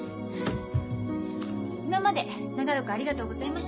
今まで長らくありがとうございました。